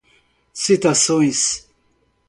citações